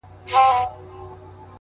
ستا په تعويذ كي به خپل زړه وويني.